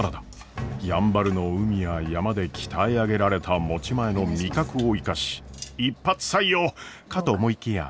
やんばるの海や山で鍛え上げられた持ち前の味覚を生かし一発採用！かと思いきや。